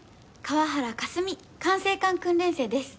河原かすみ管制官訓練生です。